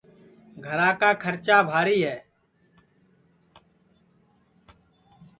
گھرا کا کھرچا بھاری ہے